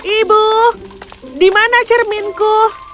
ibu dimana cerminku